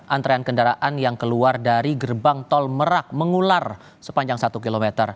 antrean kendaraan yang keluar dari gerbang tol merak mengular sepanjang satu km